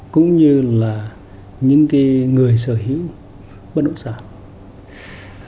cũng như là những người sở hữu bất động sản